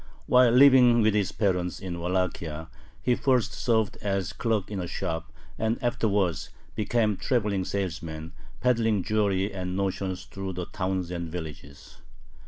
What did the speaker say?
While living with his parents in Wallachia, he first served as clerk in a shop, and afterwards became a traveling salesman, peddling jewelry and notions through the towns and villages.